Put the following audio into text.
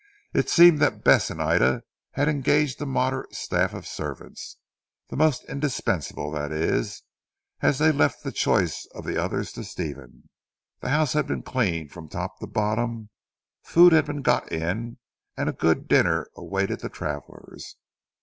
It seemed that Bess and Ida had engaged a moderate staff of servants, the most indispensable that is; as they left the choice of the others to Stephen. The house had been cleaned from top to bottom, food had been got in, and a good dinner awaited the travellers.